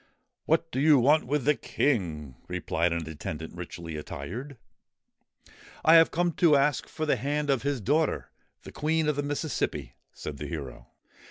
'What do you want with the King?' replied an attendant, richly attired. ' I have come to ask for the hand of his daughter, the Queen of the Mississippi,' said the hero.